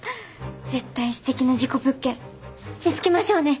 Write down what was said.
絶対すてきな事故物件見つけましょうね。